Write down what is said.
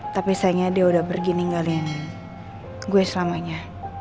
tapi sayangnya dia udah pergi ninggalin gue selamanya